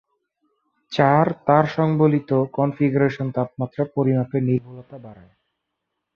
চার তার সংবলিত কনফিগারেশন তাপমাত্রা পরিমাপের নির্ভুলতা বাড়ায়।